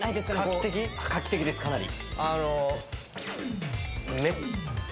画期的ですかなり。